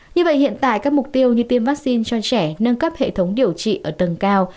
như vậy hiện tại các mục tiêu như tiêm vaccine cho trẻ nâng cấp hệ thống điều trị ở tầng cao